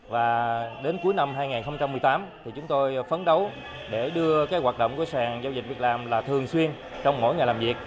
và đến cuối năm hai nghìn một mươi tám thì chúng tôi phấn đấu để đưa hoạt động của sàn giao dịch việc làm là thường xuyên trong mỗi ngày làm việc